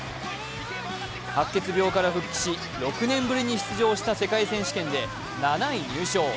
白血病から復帰し、６年ぶりに出場した世界選手権で７位入賞。